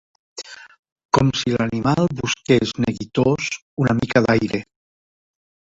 Com si l'animal busqués neguitós una mica d'aire.